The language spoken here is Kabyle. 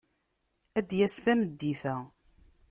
Ad d-yas tameddit-a.